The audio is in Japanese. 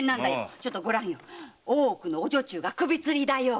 ちょっとごらん大奥のお女中が首つりだよ。